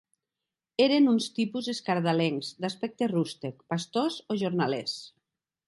Eren uns tipus escardalencs, d'aspecte rústec, pastors o jornalers